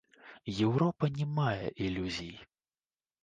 Еўропа не мае ілюзій.